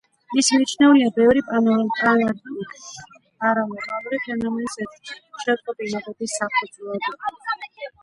ის მიჩნეულია ბევრი პარანორმალური ფენომენის შეტყობინებების საფუძვლად.